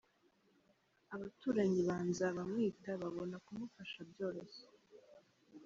Abaturanyi ba Nzabamwita babona kumufasha byoroshye.